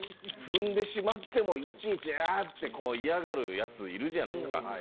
踏んでしまってもういちいち「あ！」って嫌がるヤツいるじゃないですか。